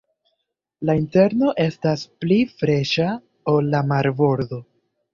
La interno estas pli freŝa ol la marbordo.